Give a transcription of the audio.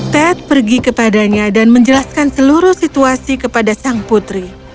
ted pergi kepadanya dan menjelaskan seluruh situasi kepada sang putri